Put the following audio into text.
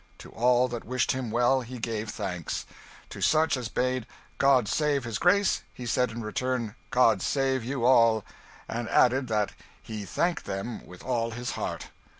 To all that wished him well, he gave thanks. To such as bade "God save his Grace," he said in return, "God save you all!" and added that "he thanked them with all his heart."